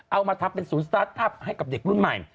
เอามาทำเป็นศูนย์สตาร์ทอัพให้กับเด็กรุ่นใหม่